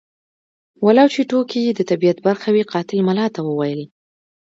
ولو چې ټوکې یې د طبیعت برخه وې قاتل ملا ته وویل.